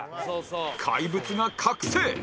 怪物が覚醒！